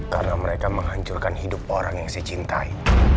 karena mereka menghancurkan hidup orang yang saya cintai